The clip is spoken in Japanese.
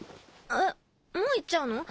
もう行っちゃうの？